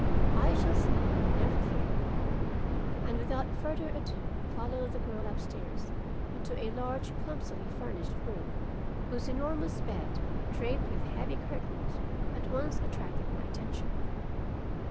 'I shall sleep, never fear,' and without further ado followed the girl upstairs into a large clumsily furnished room whose enormous bed draped with heavy curtains at once attracted my attention.